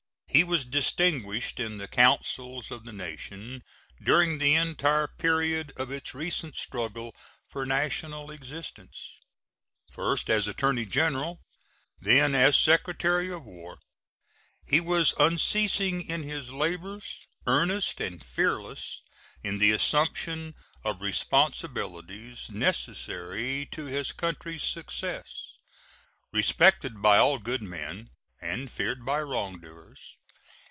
He was distinguished in the councils of the nation during the entire period of its recent struggle for national existence first as Attorney General, then as Secretary of War: He was unceasing in his labors, earnest and fearless in the assumption of responsibilities necessary to his country's success, respected by all good men, and feared by wrongdoers.